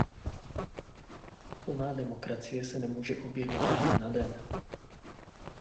Plná demokracie se nemůže objevit ze dne na den.